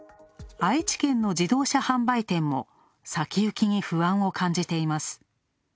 愛知県の自動車販売店も、先行きに不安を感じています。